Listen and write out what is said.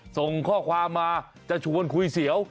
ส่งข้อความมาจะชวนคุยเสียว